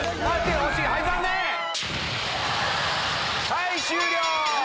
はい終了！